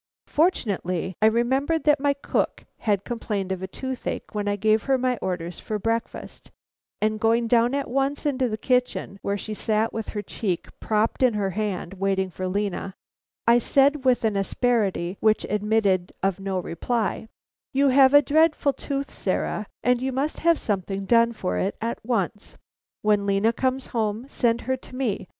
Fortunately, I remembered that my cook had complained of toothache when I gave her my orders for breakfast, and going down at once into the kitchen, where she sat with her cheek propped up in her hand waiting for Lena, I said with an asperity which admitted of no reply: "You have a dreadful tooth, Sarah, and you must have something done for it at once. When Lena comes home, send her to me.